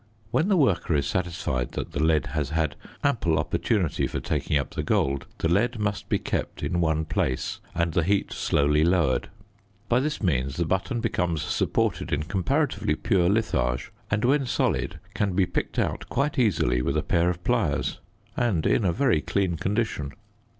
When the worker is satisfied that the lead has had ample opportunity for taking up the gold, the lead must be kept in one place and the heat slowly lowered. By this means the button becomes supported in comparatively pure litharge and when solid can be picked out quite easily with a pair of pliers and in a very clean condition.